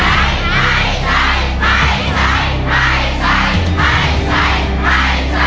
ไม่ใช่